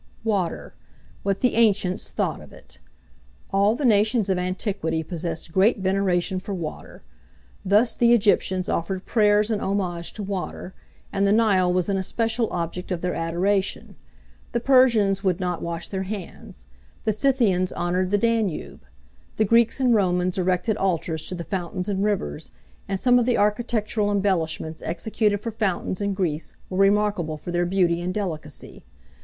WATER: WHAT THE ANCIENTS THOUGHT OF IT. All the nations of antiquity possessed great veneration for water: thus, the Egyptians offered prayers and homage to water, and the Nile was an especial object of their adoration; the Persians would not wash their hands; the Scythians honoured the Danube; the Greeks and Romans erected altars to the fountains and rivers; and some of the architectural embellishments executed for fountains in Greece were remarkable for their beauty and delicacy.